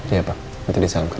iya pak nanti disalamkan